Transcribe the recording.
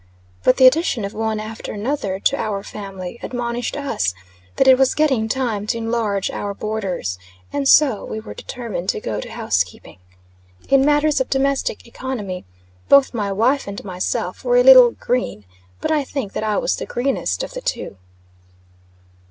But the addition of one after another to our family, admonished us that it was getting time to enlarge our borders; and so we were determined to go to housekeeping. In matters of domestic economy both my wife and myself were a little "green," but I think that I was the greenest of the two.